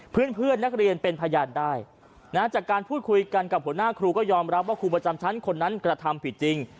เพื่อนนักเรียนเป็นพยานได้นะจากการพูดคุยกันกับหัวหน้าครูก็ยอมรับว่าครูประจำชั้นคนนั้นกระทำผิดจริง